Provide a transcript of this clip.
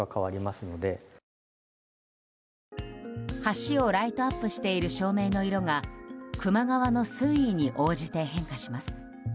橋をライトアップしている照明の色が球磨川の水位に応じて変化します。